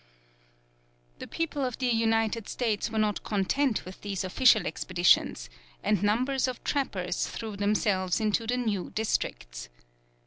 The people of the United States were not content with these official expeditions, and numbers of trappers threw themselves into the new districts.